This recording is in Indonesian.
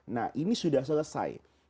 nah ini sudah selesai